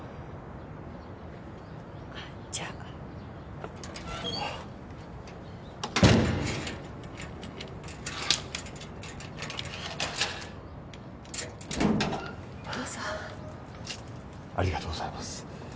じゃあどうぞありがとうございます